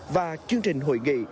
và chương trình hội nghị